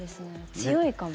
強いかも。